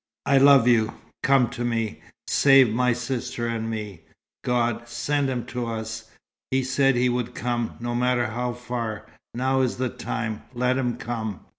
"I love you. Come to me. Save my sister and me. God, send him to us. He said he would come, no matter how far. Now is the time. Let him come."